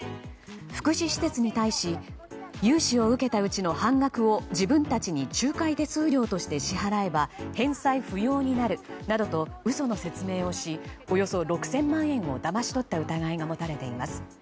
福祉施設に対し融資を受けたうちの半額を自分たちに仲介手数料として支払えば返済不要になるなどと嘘の説明をしおよそ６０００万円をだまし取った疑いが持たれています。